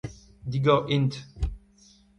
Digor int.